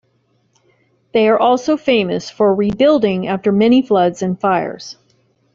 They are also famous for rebuilding after many floods and fires.